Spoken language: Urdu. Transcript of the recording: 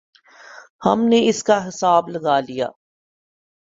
ہم نے اس کا حساب لگا لیا۔